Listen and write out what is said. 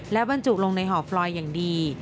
และบรรจุลงในห่อฟลอยอย่างดี